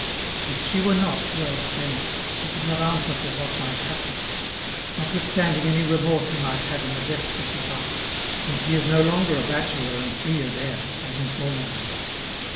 If she were not, well, then, he could not answer for what might happen notwithstanding any remorse he might have in the depths of his heart, since he is no longer a bachelor and free as air, as in former days.